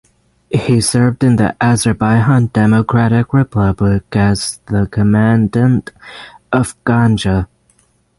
He served in the Azerbaijan Democratic Republic as the commandant of Ganja.